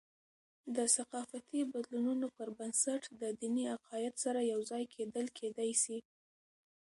د ثقافتي بدلونونو پربنسټ، د دیني عقاید سره یوځای کیدل کېدي سي.